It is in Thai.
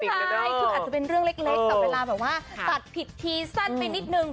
อันนี้อาจจะเป็นเรื่องเล็กแต่ว่าตัดผิดทีสั้นไปนิดนึง